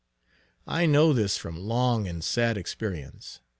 I know this from long and sad experience.